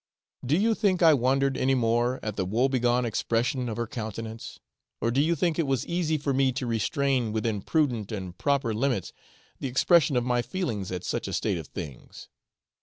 Do you think I wondered any more at the woe begone expression of her countenance, or do you think it was easy for me to restrain within prudent and proper limits the expression of my feelings at such a state of things?